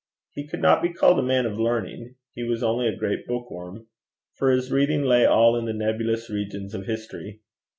He could not be called a man of learning; he was only a great bookworm; for his reading lay all in the nebulous regions of history.